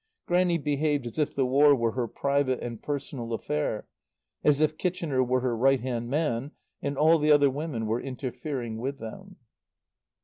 Grannie behaved as if the War were her private and personal affair, as if Kitchener were her right hand man, and all the other women were interfering with them.